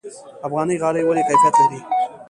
افغاني غالۍ ولې کیفیت لري؟